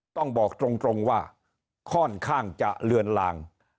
ต้องบอกตรงว่าค่อนข้างจะเลือนลาง